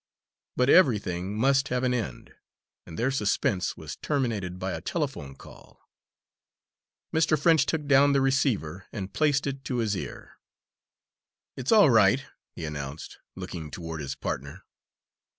But everything must have an end, and their suspense was terminated by a telephone call. Mr. French took down the receiver and placed it to his ear. "It's all right," he announced, looking toward his partner.